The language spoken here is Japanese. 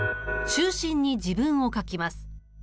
中心に自分を描きます。